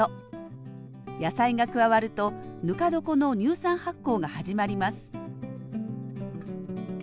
野菜が加わるとぬか床の乳酸発酵が始まります